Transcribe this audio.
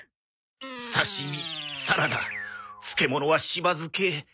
刺し身サラダ漬物は柴漬け。